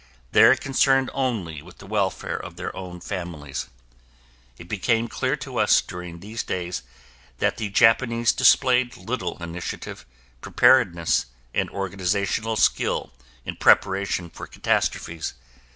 They are concerned only with the welfare of their own families. It became clear to us during these days that the Japanese displayed little initiative, preparedness, and organizational skill in preparation for catastrophes.